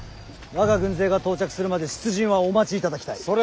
我が軍勢が到着するまで出陣はお待ちいただきたい。